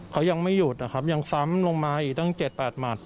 เขายังไม่หยุดนะครับยังซ้ำลงมาอีกตั้ง๗๘หมัด